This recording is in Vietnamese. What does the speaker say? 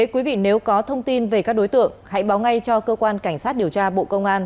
quý vị nếu có thông tin về các đối tượng hãy báo ngay cho cơ quan cảnh sát điều tra bộ công an